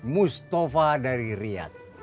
mustafa dari riad